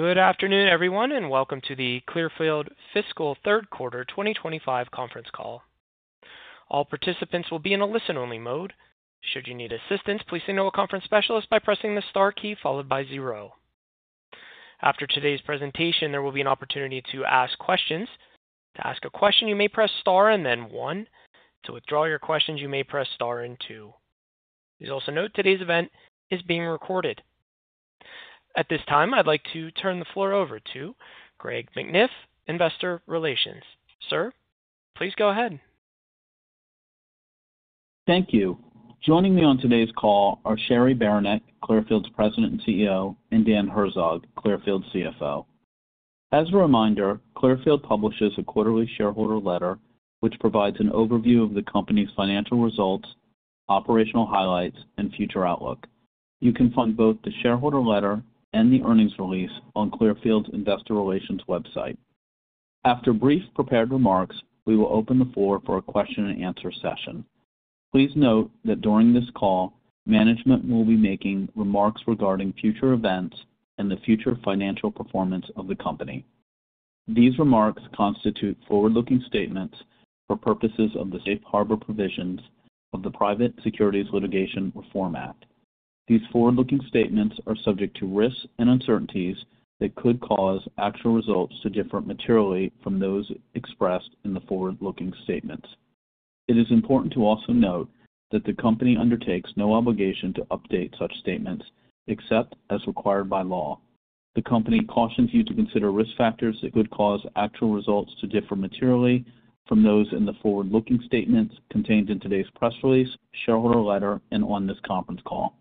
Good afternoon, everyone, and welcome to the Clearfield Fiscal Third Quarter 2025 Conference Call. All participants will be in a listen-only mode. Should you need assistance, please say no to a conference specialist by pressing the star key followed by zero. After today's presentation, there will be an opportunity to ask questions. To ask a question, you may press star and then one. To withdraw your questions, you may press star and two. Please also note today's event is being recorded. At this time, I'd like to turn the floor over to Greg McNiff, investor relations. Sir, please go ahead. Thank you. Joining me on today's call are Cheri Beranek, Clearfield's President and CEO, and Dan Herzog, Clearfield's CFO. As a reminder, Clearfield publishes a quarterly shareholder letter, which provides an overview of the company's financial results, operational highlights, and future outlook. You can find both the shareholder letter and the earnings release on Clearfield's investor relations website. After brief prepared remarks, we will open the floor for a question and answer session. Please note that during this call, management will be making remarks regarding future events and the future financial performance of the company. These remarks constitute forward-looking statements for purposes of the safe harbor provisions of the Private Securities Litigation Reform Act. These forward-looking statements are subject to risks and uncertainties that could cause actual results to differ materially from those expressed in the forward-looking statements. It is important to also note that the company undertakes no obligation to update such statements except as required by law. The company cautions you to consider risk factors that could cause actual results to differ materially from those in the forward-looking statements contained in today's press release, shareholder letter, and on this conference call.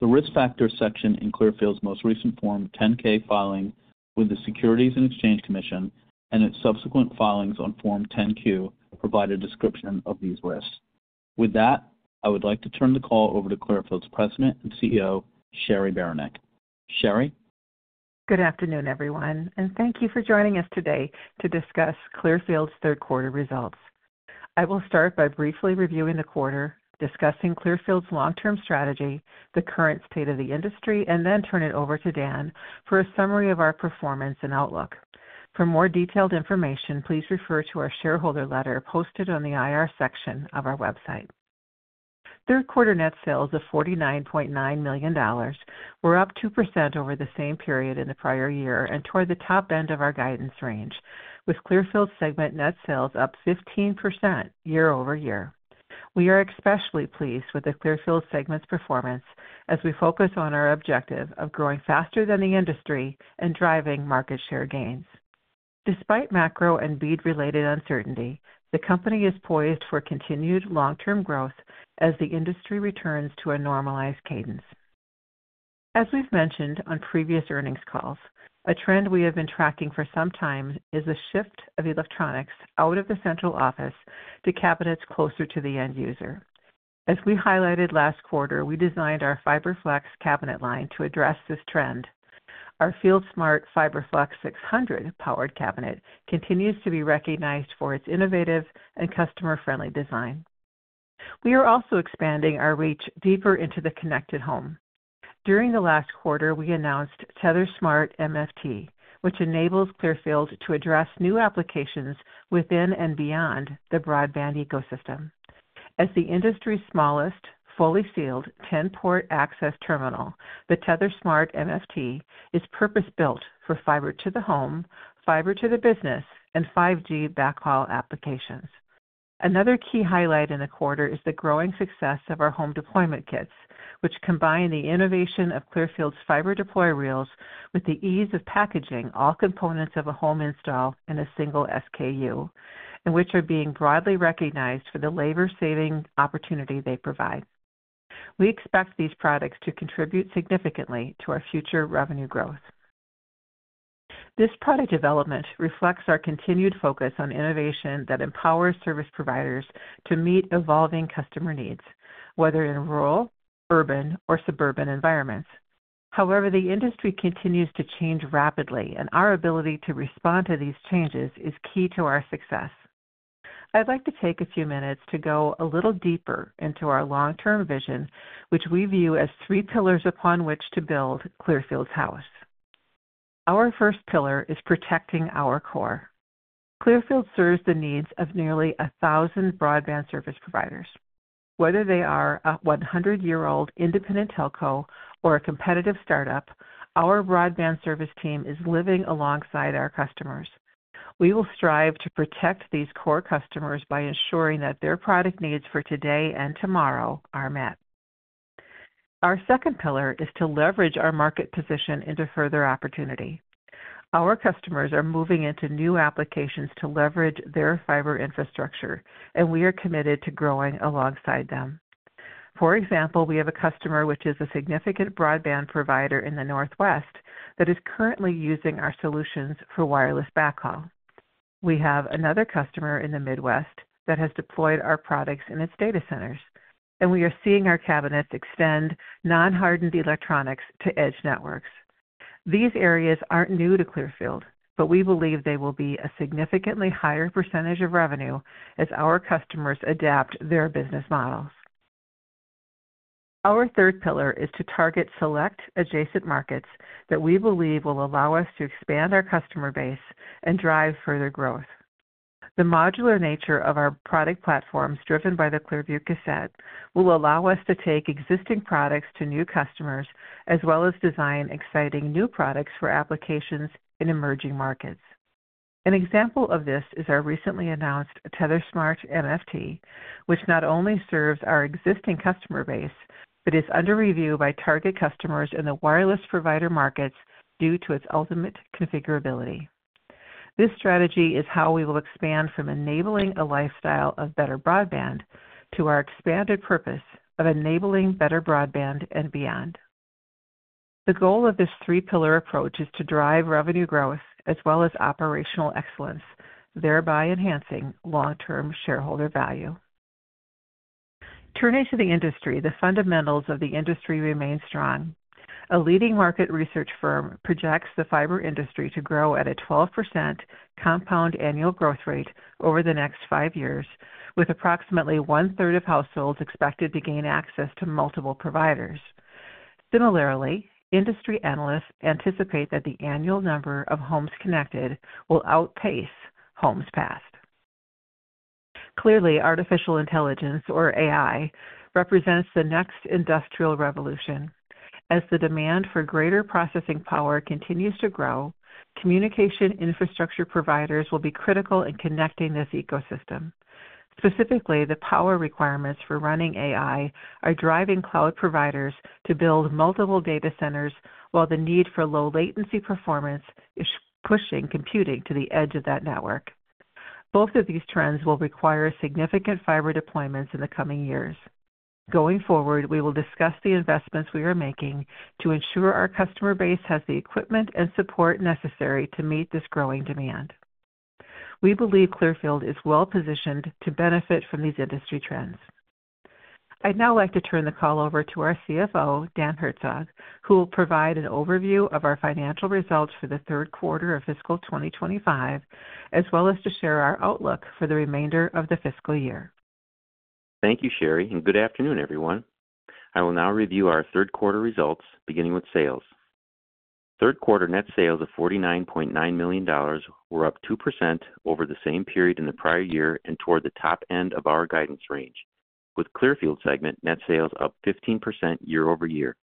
The risk factor section in Clearfield's most recent Form 10-K filing with the Securities and Exchange Commission and its subsequent filings on Form 10-Q provide a description of these risks. With that, I would like to turn the call over to Clearfield's President and CEO, Cheri Beranek. Cheri? Good afternoon, everyone, and thank you for joining us today to discuss Clearfield's third quarter results. I will start by briefly reviewing the quarter, discussing Clearfield's long-term strategy, the current state of the industry, and then turn it over to Dan for a summary of our performance and outlook. For more detailed information, please refer to our shareholder letter posted on the IR section of our website. Third quarter net sales of $49.9 million were up 2% over the same period in the prior year and toward the top end of our guidance range, with Clearfield's segment net sales up 15% year-over-year. We are especially pleased with the Clearfield segment's performance as we focus on our objective of growing faster than the industry and driving market share gains. Despite macro and BEAD-related uncertainty, the company is poised for continued long-term growth as the industry returns to a normalized cadence. As we've mentioned on previous earnings calls, a trend we have been tracking for some time is the shift of electronics out of the central office to cabinets closer to the end user. As we highlighted last quarter, we designed our FiberFlex cabinet line to address this trend. Our FieldSmart FiberFlex 600 powered cabinet continues to be recognized for its innovative and customer-friendly design. We are also expanding our reach deeper into the connected home. During the last quarter, we announced TetherSmart MFT, which enables Clearfield to address new applications within and beyond the broadband ecosystem. As the industry's smallest fully sealed 10-port access terminal, the TetherSmart MFT is purpose-built for fiber-to-the-home, fiber to the business, and 5G backhaul applications. Another key highlight in the quarter is the growing success of our home deployment kits, which combine the innovation of Clearfield's Fiber Deploy Reels with the ease of packaging all components of a home install in a single SKU, and which are being broadly recognized for the labor-saving opportunity they provide. We expect these products to contribute significantly to our future revenue growth. This product development reflects our continued focus on innovation that empowers service providers to meet evolving customer needs, whether in rural, urban, or suburban environments. However, the industry continues to change rapidly, and our ability to respond to these changes is key to our success. I'd like to take a few minutes to go a little deeper into our long-term vision, which we view as three pillars upon which to build Clearfield's house. Our first pillar is protecting our core. Clearfield serves the needs of nearly a thousand broadband service providers. Whether they are a 100-year-old independent telco or a competitive startup, our broadband service team is living alongside our customers. We will strive to protect these core customers by ensuring that their product needs for today and tomorrow are met. Our second pillar is to leverage our market position into further opportunity. Our customers are moving into new applications to leverage their fiber infrastructure, and we are committed to growing alongside them. For example, we have a customer which is a significant broadband provider in the Northwest that is currently using our solutions for wireless backhaul. We have another customer in the Midwest that has deployed our products in its data centers, and we are seeing our cabinets extend non-hardened electronics to edge networks. These areas aren't new to Clearfield, but we believe they will be a significantly higher percentage of revenue as our customers adapt their business models. Our third pillar is to target select adjacent markets that we believe will allow us to expand our customer base and drive further growth. The modular nature of our product platforms, driven by the Clearview Cassette, will allow us to take existing products to new customers as well as design exciting new products for applications in emerging markets. An example of this is our recently announced TetherSmart MFT, which not only serves our existing customer base, but is under review by target customers in the wireless provider markets due to its ultimate configurability. This strategy is how we will expand from enabling a lifestyle of better broadband to our expanded purpose of enabling better broadband and beyond. The goal of this three-pillar approach is to drive revenue growth as well as operational excellence, thereby enhancing long-term shareholder value. Turning to the industry, the fundamentals of the industry remain strong. A leading market research firm projects the fiber industry to grow at a 12% compound annual growth rate over the next five years, with approximately one-third of households expected to gain access to multiple providers. Similarly, industry analysts anticipate that the annual number of homes connected will outpace homes passed. Clearly, artificial intelligence, or AI, represents the next industrial revolution. As the demand for greater processing power continues to grow, communication infrastructure providers will be critical in connecting this ecosystem. Specifically, the power requirements for running AI are driving cloud providers to build multiple data centers, while the need for low latency performance is pushing computing to the edge of that network. Both of these trends will require significant fiber deployments in the coming years. Going forward, we will discuss the investments we are making to ensure our customer base has the equipment and support necessary to meet this growing demand. We believe Clearfield is well-positioned to benefit from these industry trends. I'd now like to turn the call over to our CFO, Dan Herzog, who will provide an overview of our financial results for the third quarter of fiscal 2025, as well as to share our outlook for the remainder of the fiscal year. Thank you, Cheri, and good afternoon, everyone. I will now review our third quarter results, beginning with sales. Third quarter net sales of $49.9 million were up 2% over the same period in the prior year and toward the top end of our guidance range, with Clearfield's segment net sales up 15% year-over-year.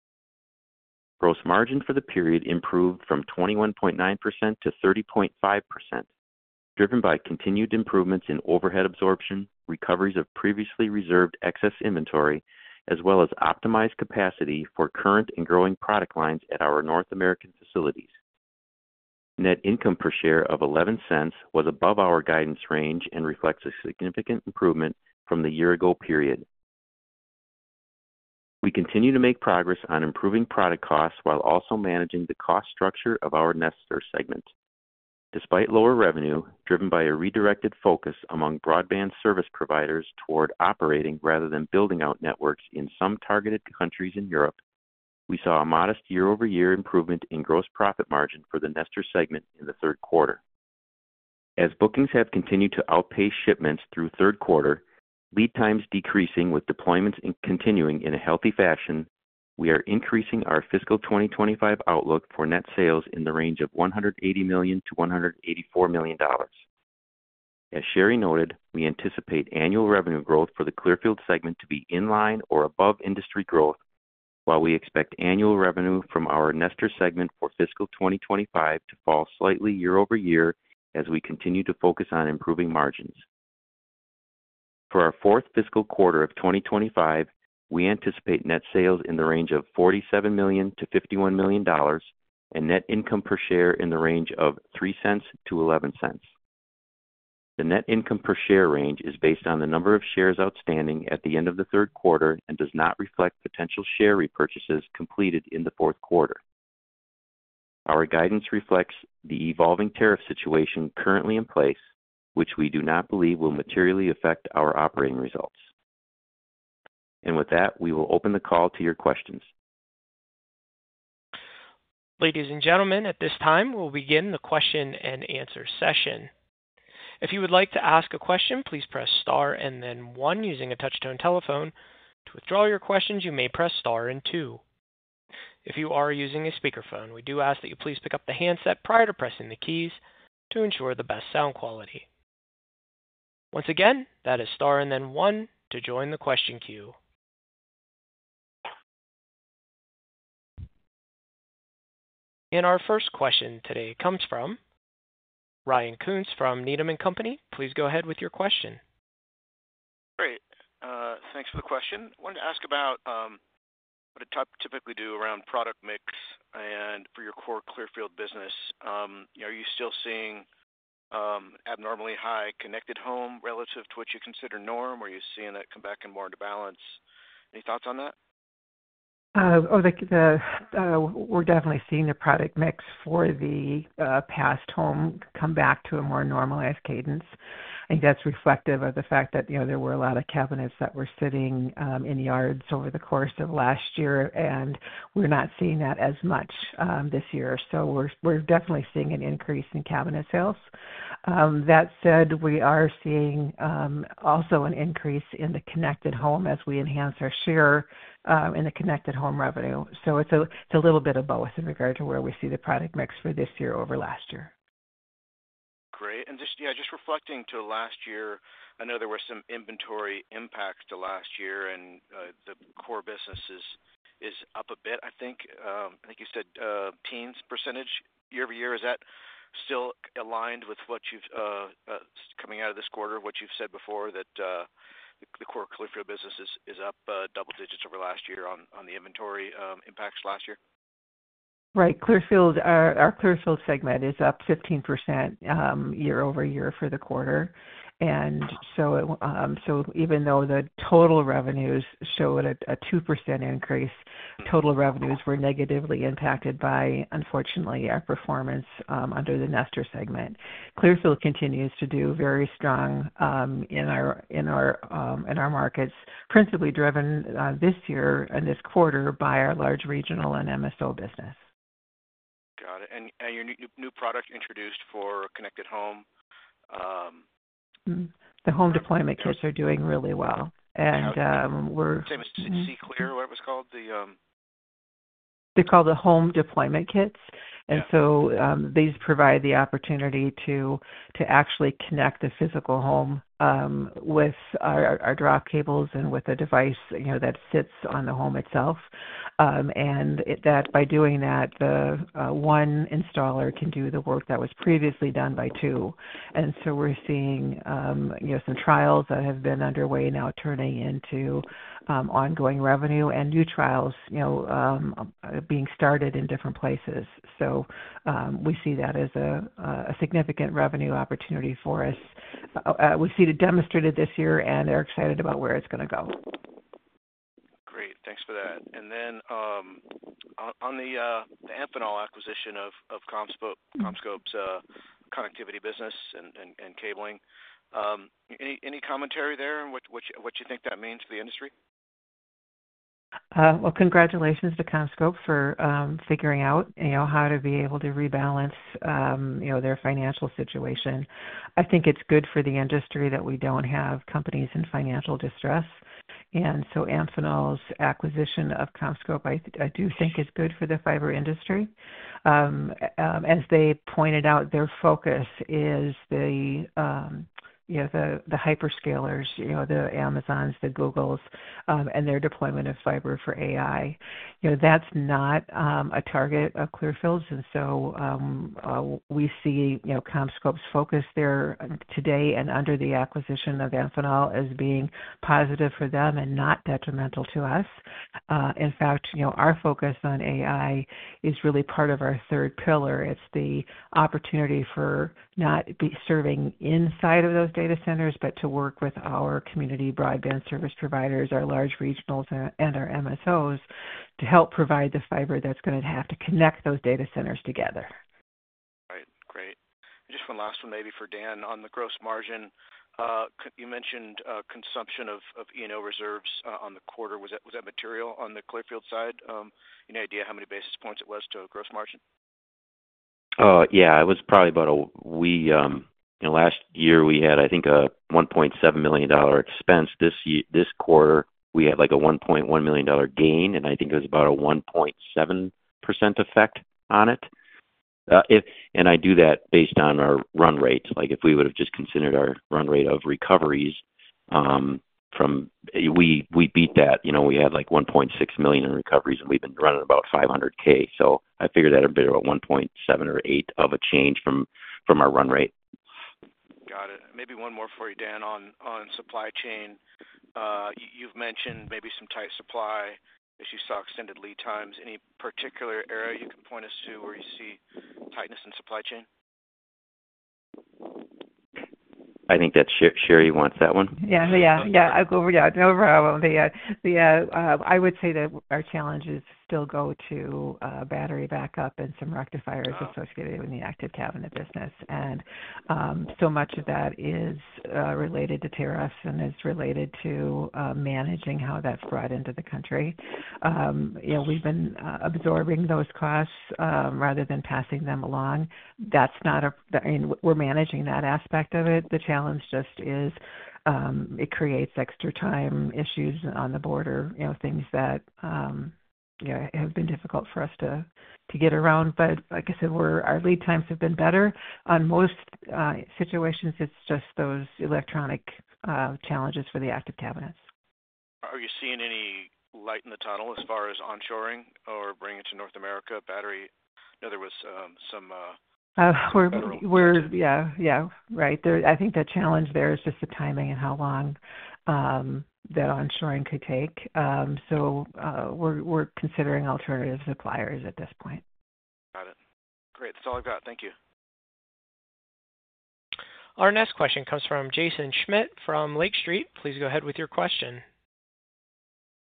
Gross margin for the period improved from 21.9% to 30.5%, driven by continued improvements in overhead absorption, recoveries of previously reserved excess inventory, as well as optimized capacity for current and growing product lines at our North American facilities. Net income per share of $0.11 was above our guidance range and reflects a significant improvement from the year-ago period. We continue to make progress on improving product costs while also managing the cost structure of our nested segment. Despite lower revenue, driven by a redirected focus among broadband service providers toward operating rather than building out networks in some targeted countries in Europe, we saw a modest year-over-year improvement in gross profit margin for the nested segment in the third quarter. As bookings have continued to outpace shipments through third quarter, lead times decreasing with deployments continuing in a healthy fashion, we are increasing our fiscal 2025 outlook for net sales in the range of $180 million-$184 million. As Cheri noted, we anticipate annual revenue growth for the Clearfield segment to be in line or above industry growth, while we expect annual revenue from our nested segment for fiscal 2025 to fall slightly year-over-year as we continue to focus on improving margins. For our fourth fiscal quarter of 2025, we anticipate net sales in the range of $47 million-$51 million and net income per share in the range of $0.03-$0.11. The net income per share range is based on the number of shares outstanding at the end of the third quarter and does not reflect potential share repurchases completed in the fourth quarter. Our guidance reflects the evolving tariff situation currently in place, which we do not believe will materially affect our operating results. With that, we will open the call to your questions. Ladies and gentlemen, at this time, we'll begin the question and answer session. If you would like to ask a question, please press star and then one using a touch-tone telephone. To withdraw your questions, you may press star and two. If you are using a speakerphone, we do ask that you please pick up the handset prior to pressing the keys to ensure the best sound quality. Once again, that is star and then one to join the question queue. Our first question today comes from Ryan Koontz from Needham & Company. Please go ahead with your question. Great. Thanks for the question. I wanted to ask about what I typically do around product mix and for your core Clearfield business. Are you still seeing abnormally high connected home relative to what you consider norm, or are you seeing that come back and more to balance? Any thoughts on that? We're definitely seeing the product mix for the past home come back to a more normalized cadence. I think that's reflective of the fact that there were a lot of cabinets that were sitting in yards over the course of last year, and we're not seeing that as much this year. We're definitely seeing an increase in cabinet sales. That said, we are seeing also an increase in the connected home as we enhance our share in the connected home revenue. It's a little bit of both in regard to where we see the product mix for this year over last year. Great. Just reflecting to last year, I know there were some inventory impacts to last year, and the core business is up a bit, I think. I think you said a teens percentage year-over-year. Is that still aligned with what you've coming out of this quarter, what you've said before that the core Clearfield business is up double digits over last year on the inventory impacts last year? Right. Our Clearfield segment is up 15% year-over-year for the quarter. Even though the total revenues showed a 2% increase, total revenues were negatively impacted by, unfortunately, our performance under the nested segment. Clearfield continues to do very strong in our markets, principally driven this year and this quarter by our large regional and MSO business. Got it. Your new product introduced for connected home? The home deployment kits are doing really well. We're. Same, is it Clear what it was called? They're called the home deployment kits. These provide the opportunity to actually connect the physical home with our drop cables and with a device that sits on the home itself. By doing that, the one installer can do the work that was previously done by two. We're seeing some trials that have been underway now turning into ongoing revenue and new trials being started in different places. We see that as a significant revenue opportunity for us. We see it demonstrated this year and are excited about where it's going to go. Great. Thanks for that. On the Amphenol acquisition of CommScope's connectivity business and cabling, any commentary there and what you think that means for the industry? Congratulations to CommScope for figuring out how to be able to rebalance their financial situation. I think it's good for the industry that we don't have companies in financial distress. Amphenol's acquisition of CommScope, I do think it's good for the fiber industry. As they pointed out, their focus is the hyperscalers, you know, the Amazons, the Googles, and their deployment of fiber for AI. You know, that's not a target of Clearfield's. We see CommScope's focus there today and under the acquisition of Amphenol as being positive for them and not detrimental to us. In fact, our focus on AI is really part of our third pillar. It's the opportunity for not serving inside of those data centers, but to work with our community broadband service providers, our large regionals, and our MSOs to help provide the fiber that's going to have to connect those data centers together. All right. Great. Just one last one, maybe for Dan, on the gross margin. You mentioned consumption of E&O reserves on the quarter. Was that material on the Clearfield side? Any idea how many basis points it was to gross margin? Yeah, it was probably about a, you know, last year we had, I think, a $1.7 million expense. This quarter, we had like a $1.1 million gain, and I think it was about a 1.7% effect on it. I do that based on our run rates. If we would have just considered our run rate of recoveries, we beat that. We had like $1.6 million in recoveries, and we've been running about $500,000. I figured that would be about 1.7 or 1.8 percentage points of a change from our run rate. Got it. Maybe one more for you, Dan, on supply chain. You've mentioned maybe some tight supply issues, saw extended lead times. Any particular area you can point us to where you see tightness in supply chain? I think that Cheri wants that one. I would say that our challenges still go to battery backup and some rectifiers associated with the active cabinet business. So much of that is related to tariffs and is related to managing how that's brought into the country. We've been absorbing those costs rather than passing them along. We're managing that aspect of it. The challenge is it creates extra time issues on the border, things that have been difficult for us to get around. Like I said, our lead times have been better. In most situations, it's just those electronic challenges for the active cabinets. Are you seeing any light in the tunnel as far as onshoring or bringing it to North America battery? I know there was some. I think the challenge there is just the timing and how long that onshoring could take. We're considering alternative suppliers at this point. Got it. Great. That's all I've got. Thank you. Our next question comes from Jaeson Schmidt from Lake Street. Please go ahead with your question.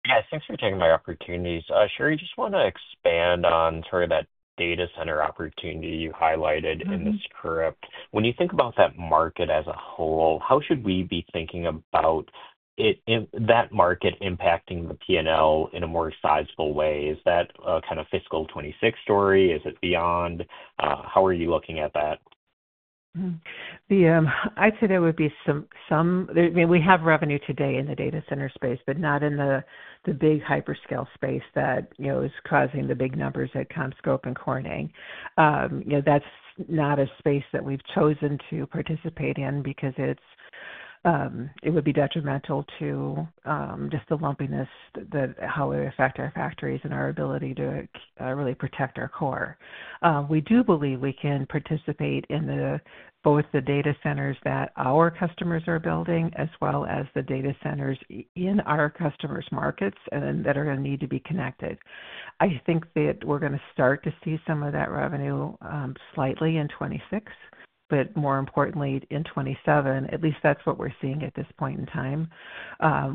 Yes, thanks for taking my opportunities. Cheri, I just want to expand on sort of that data center opportunity you highlighted in the script. When you think about that market as a whole, how should we be thinking about it in that market impacting the P&L in a more sizable way? Is that a kind of fiscal 2026 story? Is it beyond? How are you looking at that? I'd say there would be some, I mean, we have revenue today in the data center space, but not in the big hyperscale space that is causing the big numbers at CommScope and Corning. That's not a space that we've chosen to participate in because it would be detrimental to just the lumpiness, how it would affect our factories and our ability to really protect our core. We do believe we can participate in both the data centers that our customers are building, as well as the data centers in our customers' markets that are going to need to be connected. I think that we're going to start to see some of that revenue slightly in 2026, but more importantly, in 2027, at least that's what we're seeing at this point in time.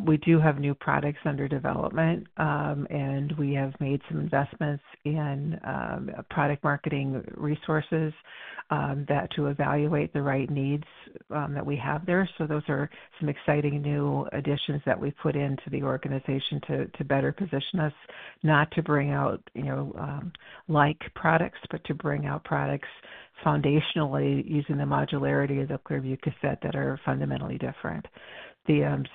We do have new products under development, and we have made some investments in product marketing resources to evaluate the right needs that we have there. Those are some exciting new additions that we put into the organization to better position us, not to bring out like products, but to bring out products foundationally using the modularity of the Clearview Cassette that are fundamentally different. There's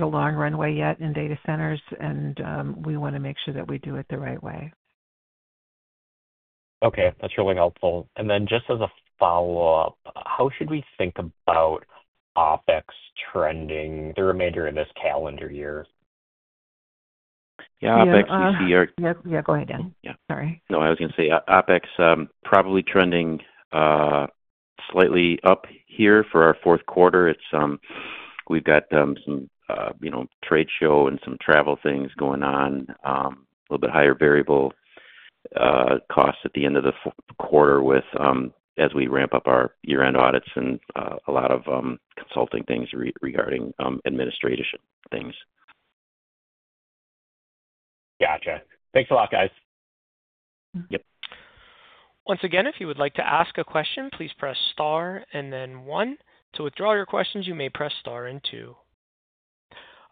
a long runway yet in data centers, and we want to make sure that we do it the right way. Okay. That's really helpful. Just as a follow-up, how should we think about OpEx trending the remainder of this calendar year? Yeah, OpEx this year. Yeah, go ahead, Dan. Sorry. I was going to say OpEx probably trending slightly up here for our fourth quarter. We've got some trade show and some travel things going on, a little bit higher variable costs at the end of the quarter as we ramp up our year-end audits and a lot of consulting things regarding administration things. Gotcha. Thanks a lot, guys. Yep. Once again, if you would like to ask a question, please press star and then one. To withdraw your questions, you may press star and two.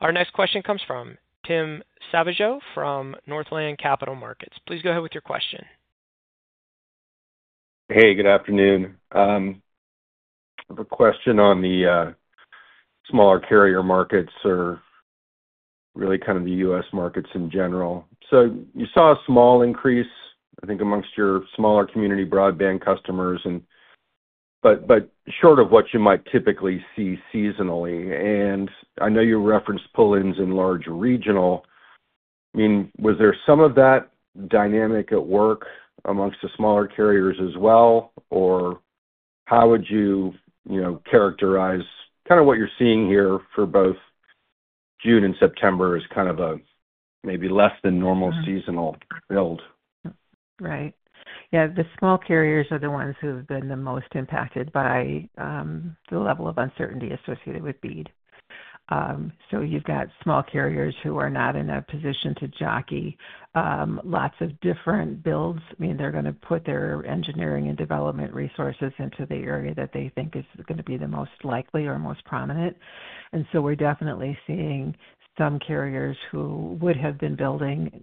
Our next question comes from Tim Savageaux from Northland Capital Markets. Please go ahead with your question. Hey, good afternoon. I have a question on the smaller carrier markets or really kind of the U.S. markets in general. You saw a small increase, I think, amongst your smaller community broadband customers, but short of what you might typically see seasonally. I know you referenced pull-ins in large regional. Was there some of that dynamic at work amongst the smaller carriers as well, or how would you characterize kind of what you're seeing here for both June and September as kind of a maybe less than normal seasonal build? Right. Yeah, the small carriers are the ones who have been the most impacted by the level of uncertainty associated with BEAD. The small carriers are not in a position to jockey lots of different builds. I mean, they're going to put their engineering and development resources into the area that they think is going to be the most likely or most prominent. We're definitely seeing some carriers who would have been building,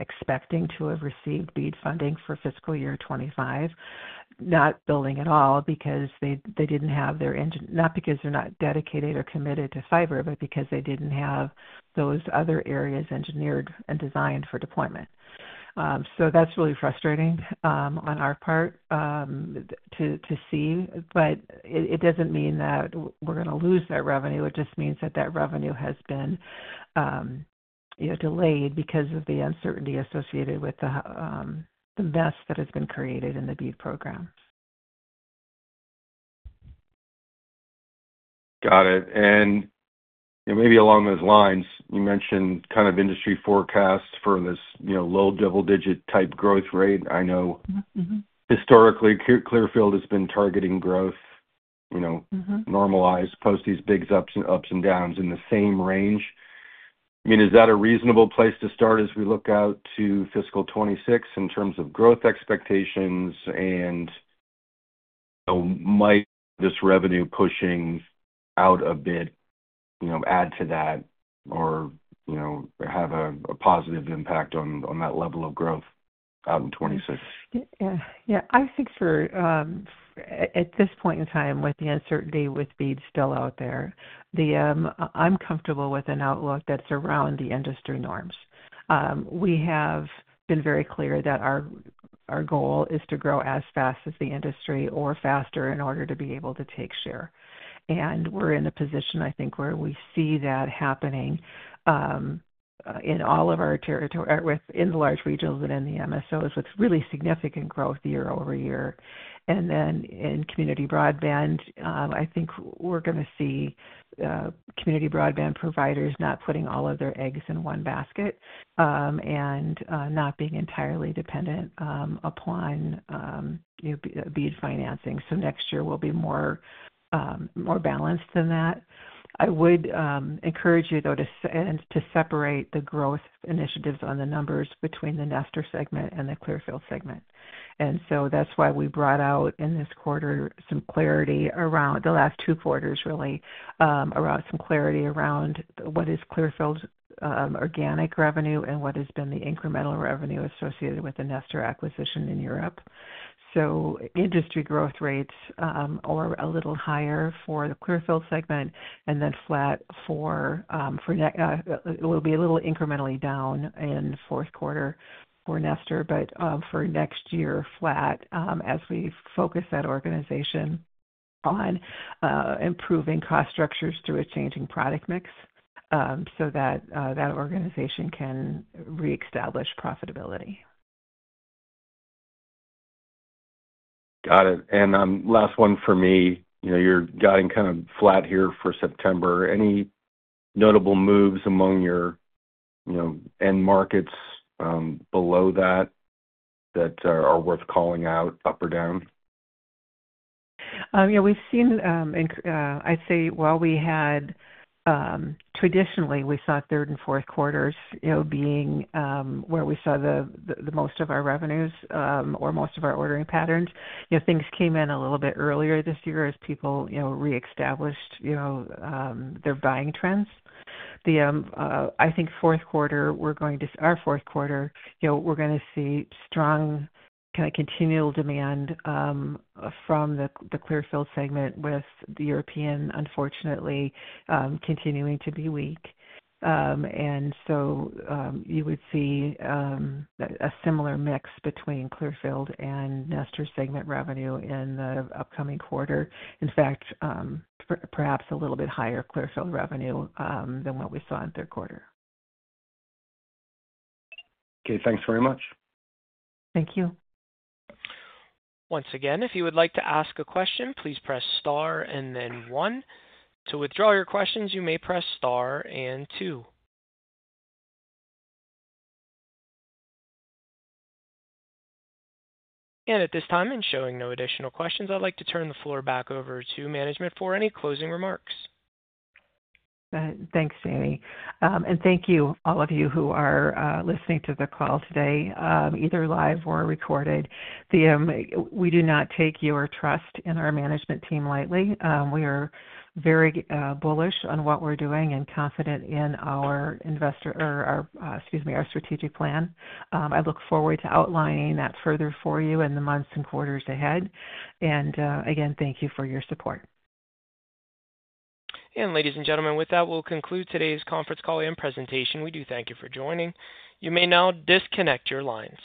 expecting to have received BEAD funding for fiscal year 2025, not building at all because they didn't have their engine, not because they're not dedicated or committed to fiber, but because they didn't have those other areas engineered and designed for deployment. That's really frustrating on our part to see. It doesn't mean that we're going to lose that revenue. It just means that revenue has been delayed because of the uncertainty associated with the mess that has been created in the BEAD programs. Got it. You mentioned kind of industry forecasts for this low double-digit type growth rate. I know historically, Clearfield has been targeting growth, you know, normalized post these big ups and downs in the same range. I mean, is that a reasonable place to start as we look out to fiscal 2026 in terms of growth expectations, and might this revenue pushing out a bit, you know, add to that or have a positive impact on that level of growth out in 2026? I think for at this point in time, with the uncertainty with BEAD still out there, I'm comfortable with an outlook that's around the industry norms. We have been very clear that our goal is to grow as fast as the industry or faster in order to be able to take share. We're in a position, I think, where we see that happening in all of our territory, in the large regionals and in the MSOs with really significant growth year-over-year. In community broadband, I think we're going to see community broadband providers not putting all of their eggs in one basket and not being entirely dependent upon BEAD financing. Next year, we'll be more balanced than that. I would encourage you, though, to separate the growth initiatives on the numbers between the nested segment and the Clearfield segment. That's why we brought out in this quarter some clarity around the last two quarters, really, around some clarity around what is Clearfield's organic revenue and what has been the incremental revenue associated with the nested acquisition in Europe. Industry growth rates are a little higher for the Clearfield segment and then flat for it will be a little incrementally down in the fourth quarter for nested, but for next year, flat as we focus that organization on improving cost structures through a changing product mix so that that organization can reestablish profitability. Got it. Last one for me, you're guiding kind of flat here for September. Any notable moves among your end markets below that that are worth calling out up or down? Yeah, we've seen, I'd say, while we had traditionally, we saw third and fourth quarters being where we saw the most of our revenues or most of our ordering patterns, things came in a little bit earlier this year as people reestablished their buying trends. I think fourth quarter, we're going to our fourth quarter, we're going to see strong kind of continual demand from the Clearfield segment with the European, unfortunately, continuing to be weak. You would see a similar mix between Clearfield and nested segment revenue in the upcoming quarter. In fact, perhaps a little bit higher Clearfield revenue than what we saw in third quarter. Okay, thanks very much. Thank you. Once again, if you would like to ask a question, please press star and then one. To withdraw your questions, you may press star and two. At this time, in showing no additional questions, I'd like to turn the floor back over to management for any closing remarks. Thanks, Jamie. Thank you, all of you who are listening to the call today, either live or recorded. We do not take your trust in our management team lightly. We are very bullish on what we're doing and confident in our investor, or our, excuse me, our strategic plan. I look forward to outlining that further for you in the months and quarters ahead. Thank you for your support. Ladies and gentlemen, with that, we'll conclude today's conference call and presentation. We do thank you for joining. You may now disconnect your lines.